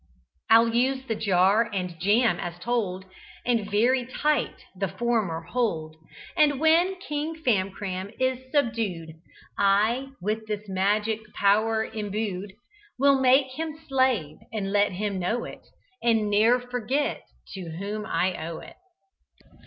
I'll use the jar and jam as told, And very tight the former hold, And when King Famcram is subdued I, with this magic power imbued, Will make him slave and let him know it And ne'er forget to whom I owe it!"